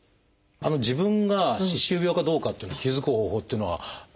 自分が歯周病かどうかっていうのに気付く方法っていうのはあるのかなと。